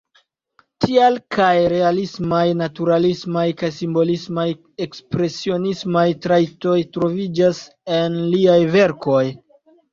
Tial kaj realismaj-naturalismaj kaj simbolismaj-ekspresionismaj trajtoj troviĝas en liaj verkoj.